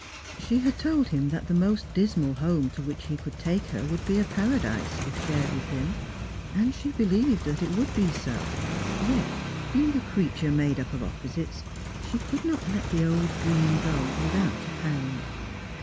She had told him that the most dismal home to which he could take her would be a paradise, if shared with him ; and she be lieved that it would be so. Yet being a creature made up of opposites, she could not let the old dream go without a pang.